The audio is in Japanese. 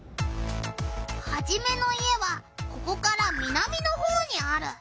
ハジメの家はここから南のほうにある。